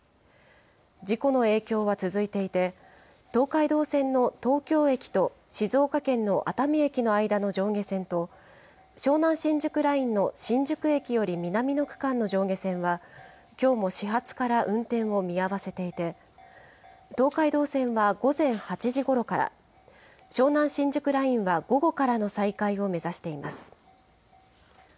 事故の影響は続いていて、東海道線の東京駅と静岡県の熱海駅の間の上下線と、湘南新宿ラインの新宿駅より南の区間の上下線は、きょうも始発から運転を見合わせていて、東海道線は午前８時ごろから、湘南新宿ラインは午後からの再開を目指しています。